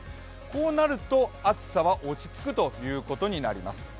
こうなると、暑さは落ち着くということになります。